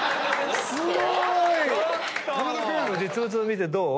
実物を見てどう？